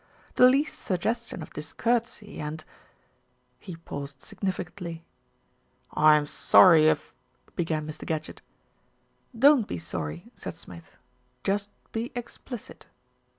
"The least suggestion of discourtesy and " He paused significantly. "I am sorry if " began Mr. Gadgett. "Don't be sorry," said Smith, "just be explicit."